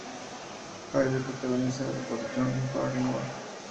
Hyde", protagonizada por John Barrymore.